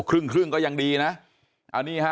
ครึ่งก็ยังดีนะ